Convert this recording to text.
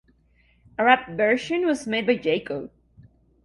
A rap version was made by Jako.